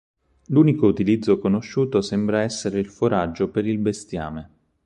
L'unico utilizzo conosciuto sembra essere il foraggio per il bestiame.